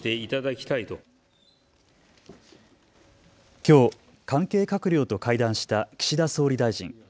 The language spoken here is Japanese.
きょう、関係閣僚と会談した岸田総理大臣。